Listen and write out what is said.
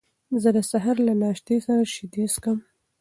زه د سهار له ناشتې سره شیدې څښم.